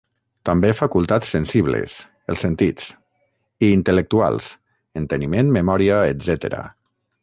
També facultats sensibles: els sentits; i intel·lectuals: enteniment, memòria, etcètera.